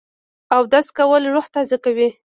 اودس کول روح تازه کوي